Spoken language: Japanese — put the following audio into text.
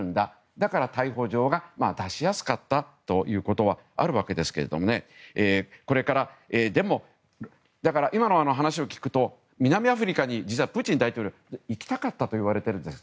だから逮捕状が出しやすかったということがあるわけですが今の話を聞くと、南アフリカに実は、プーチン大統領は行きたかったといわれています。